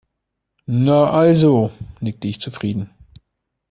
Na also, nickte ich zufrieden.